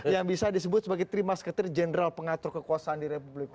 yang bisa disebut sebagai trimasketer general pengatur kekuasaan di republik